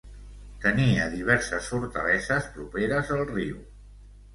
Tenia diverses fortaleses properes al riu.